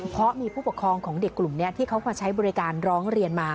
เพราะมีผู้ปกครองของเด็กกลุ่มนี้ที่เขามาใช้บริการร้องเรียนมา